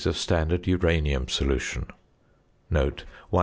of standard uranium solution (100 c.c.